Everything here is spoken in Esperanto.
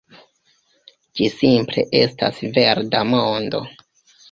Ĝi simple estas verda mondo